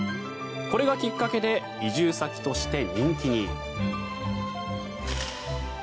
これがきっかけで移住先として人気に。